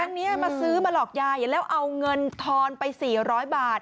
นี้มาซื้อมาหลอกยายแล้วเอาเงินทอนไป๔๐๐บาท